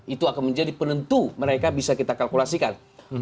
itu akan menjadi penentu mereka bisa kita kalkulasikan